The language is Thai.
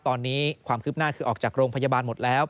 ตอนนี้ความคืบหน้าคือออกจากโรงพยาบาลหมดแล้ว